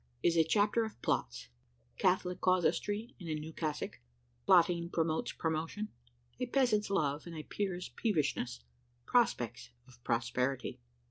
IS A CHAPTER OF PLOTS CATHOLIC CASUISTRY IN A NEW CASSOCK PLOTTING PROMOTES PROMOTION A PEASANT'S LOVE, AND A PEER'S PEEVISHNESS PROSPECTS OF PROSPERITY.